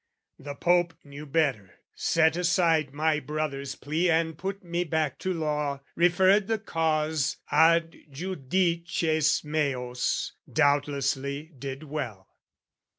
The Pope Knew better, set aside my brother's plea And put me back to law, referred the cause Ad judices meos, doubtlessly did well.